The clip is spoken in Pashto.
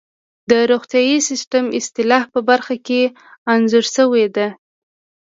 د روغتیايي سیستم اصلاح په برخه کې انځور شوې ده.